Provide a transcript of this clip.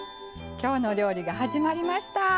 「きょうの料理」が始まりました。